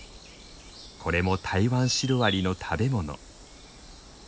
これもタイワンシロアリの食べ物。